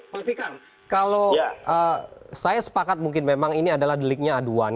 pak fikar kalau saya sepakat mungkin memang ini adalah deliknya aduan